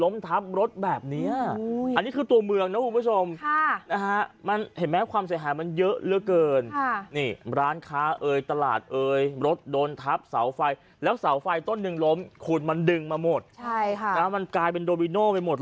มันทำให้เสาไฟล้มทับรถแบบนี้